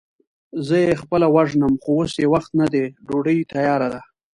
زه يې خپله وژنم، خو اوس يې وخت نه دی، ډوډۍ تياره ده.